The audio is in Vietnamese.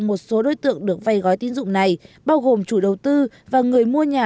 một số đối tượng được vay gói tín dụng này bao gồm chủ đầu tư và người mua nhà